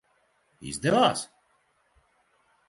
Izdevās?